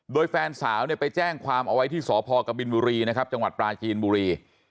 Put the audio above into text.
โดยแฟนสาวเนี่ยไปแจ้งความเอาไว้ที่สพกบินบุรีนะครับจังหวัดปลาจีนบุรี